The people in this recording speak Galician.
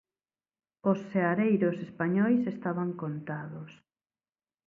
Os seareiros españois estaban contados.